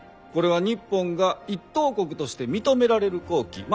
これは日本が一等国として認められる好機。